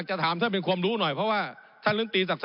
รถไฟฟ้าสสมภาษณ์รถไฟฟ้าสายสีสุ่ม